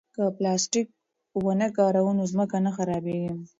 که پلاستیک ونه کاروو نو ځمکه نه خرابېږي.